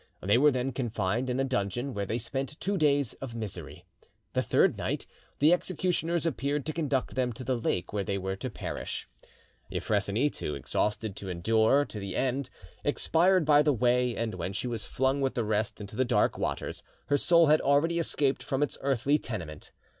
They were then confined in a dungeon, where they spent two days of misery. The third night, the executioners appeared to conduct them to the lake where they were to perish. Euphrosyne, too exhausted to endure to the end, expired by the way, and when she was flung with the rest into the dark waters, her soul had already escaped from its earthly tenement.